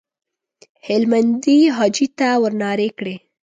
هلمندي حاجي ته ورنارې کړې.